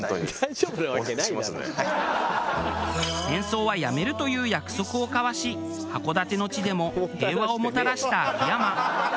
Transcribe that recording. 戦争はやめるという約束を交わし函館の地でも平和をもたらした秋山。